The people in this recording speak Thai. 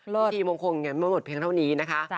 พิธีมงคลมงานมงดเพียงเท่านี้นะคะ